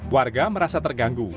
warga merasa terganggu